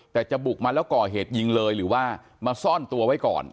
แต่จะบุกมาแล้วก่อเหตุยิงเลยหรือว่ามาซ่อนตัวไว้ก่อน